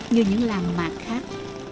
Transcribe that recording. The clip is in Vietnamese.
như những làng mạc khác